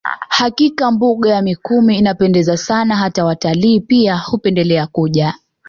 Hakika mbuga ya Mikumi inapendeza sana hata watalii pia hupendelea kuja